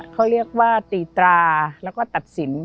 เขาเรียกว่าตีตราแล้วก็ตัดสิน